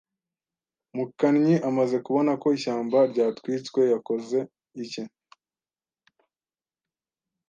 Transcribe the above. Mukannyi amaze kubona ko ishyamba ryatwitswe yakoze iki?